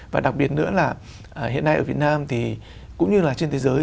và đặc biệt nữa là hiện nay ở việt nam thì cũng như là trên thế giới